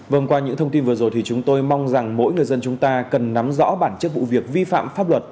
vâng qua những thông tin vừa rồi thì chúng tôi mong rằng mỗi người dân chúng ta cần nắm rõ bản chất vụ việc vi phạm pháp luật